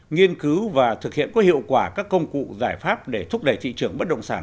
nghiên cứu và thực hiện có hiệu quả các công cụ giải pháp để thúc đẩy thị trường bất động sản